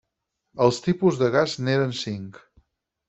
Els tipus de gas n'eren cinc.